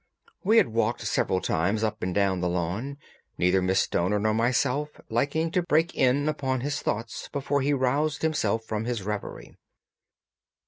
We had walked several times up and down the lawn, neither Miss Stoner nor myself liking to break in upon his thoughts before he roused himself from his reverie.